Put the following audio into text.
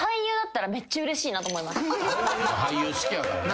俳優好きやからな。